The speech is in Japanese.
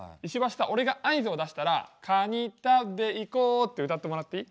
俺が合図を出したら「カニ食べ行こう」って歌ってもらっていい？